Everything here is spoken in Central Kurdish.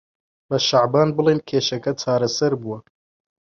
بە شەعبان بڵێن کێشەکە چارەسەر بووە.